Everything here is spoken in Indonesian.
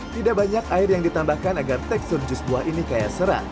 tidak banyak air yang ditambahkan agar tekstur jus buah ini kaya serang